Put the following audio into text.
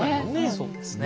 そうですよね。